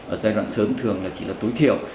ở giai đoạn sớm thường chỉ là tối thiểu